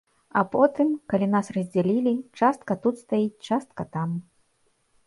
А потым калі нас раздзялілі, частка тут стаіць, частка там.